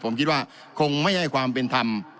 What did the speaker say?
ผมคิดว่าคงไม่ให้ความเป็นธรรม